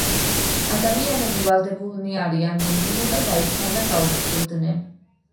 ადამიანები ვალდებულნი არიან, რომ ბუნება დაიცვან და გაუფრთხილდნენ.